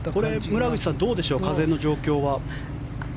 村口さん、どうでしょう風の状況は。